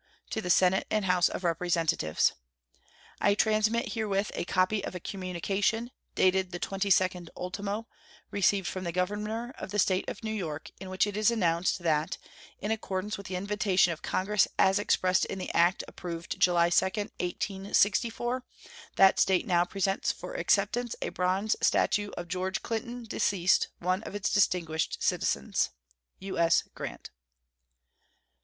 To the Senate and House of Representatives: I transmit herewith a copy of a communication, dated the 22d ultimo, received from the governor of the State of New York, in which it is announced that, in accordance with the invitation of Congress as expressed in the act approved July 2, 1864, that State now presents for acceptance a bronze statue of George Clinton, deceased, one of its distinguished citizens. U.S. GRANT.